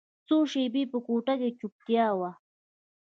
څو شېبې په کوټه کښې چوپتيا وه.